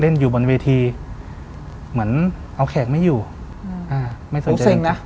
เล่นอยู่บนเวทีเหมือนเอาแขกไม่อยู่อืมอ่าไม่สนใจอุ้ยเซ็งนะ